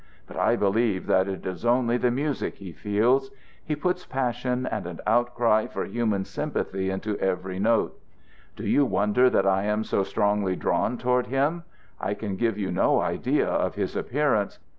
But I believe that it is only the music he feels. He puts passion and an outcry for human sympathy into every note. Do you wonder that I am so strongly drawn towards him? I can give you no idea of his appearance.